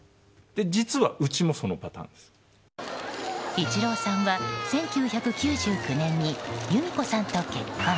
イチローさんは１９９９年に弓子さんと結婚。